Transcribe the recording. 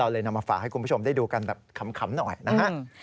เลยนำมาฝากให้คุณผู้ชมได้ดูกันแบบขำหน่อยนะฮะ